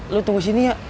lo tunggu sini ya